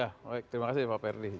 ya baik terima kasih pak ferdi